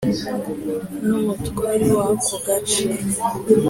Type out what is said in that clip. n’umutware wako gace